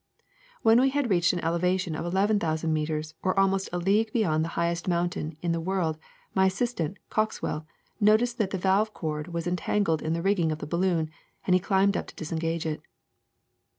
'When we had reached an altitude of eleven thou sand meters, or almost a league beyond the highest mountain in the world, my assistant, Coxwell, noticed that the valve cord was entangled in the rigging of the balloon, and he climbed up to disengage it.